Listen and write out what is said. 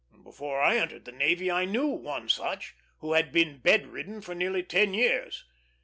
Before I entered the navy I knew one such, who had been bed ridden for nearly ten years.